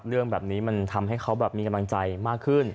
เรื่องแบบนี้มันทำให้เขาแบบมีกำลังใจมากขึ้น